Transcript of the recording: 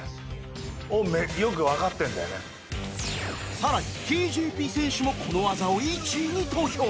更に ＴＪＰ 選手もこの技を１位に投票